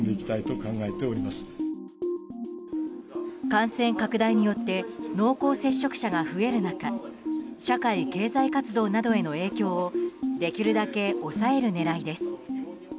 感染拡大によって濃厚接触者が増える中社会経済活動などへの影響をできるだけ抑える狙いです。